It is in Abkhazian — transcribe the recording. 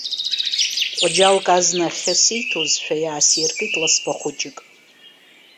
Ҟәџьалк азна ахьы сиҭозшәа иаасиркит ласба хәыҷык.